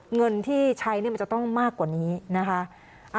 เงินที่ใช้มันจะต้องมากกว่านี้นะคะ